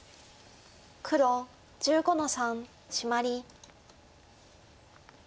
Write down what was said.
黒１５の三シマリ。